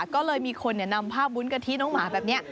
ก็เลยมีคนนำภาพวุ้นกะทิน้องหมาแบบนี้